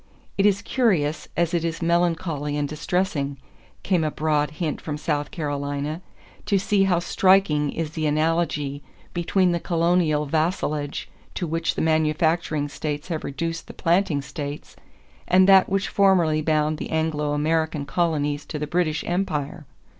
"It is curious as it is melancholy and distressing," came a broad hint from South Carolina, "to see how striking is the analogy between the colonial vassalage to which the manufacturing states have reduced the planting states and that which formerly bound the Anglo American colonies to the British empire....